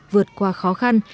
vượt qua khó khăn